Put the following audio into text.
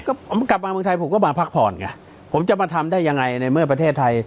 ก็ผมกลับมาเมืองไทยผมก็มาพักผ่อนไงผมจะมาทำได้ยังไงในเมื่อประเทศไทย